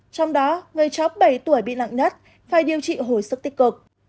trong đó người chó bảy tuổi bị nặng nhất phải điều trị hồi sức tích cực